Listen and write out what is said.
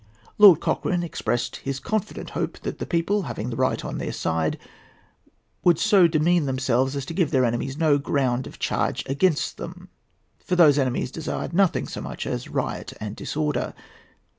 Lord Cochrane expressed his confident hope that the people, having the right on their side, would so demean themselves as to give their enemies no ground of charge against them; for those enemies desired nothing so much as riot and disorder.